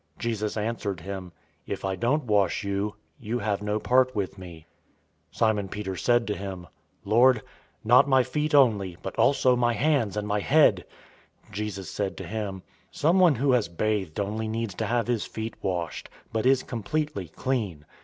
Jesus answered him, "If I don't wash you, you have no part with me." 013:009 Simon Peter said to him, "Lord, not my feet only, but also my hands and my head!" 013:010 Jesus said to him, "Someone who has bathed only needs to have his feet washed, but is completely clean.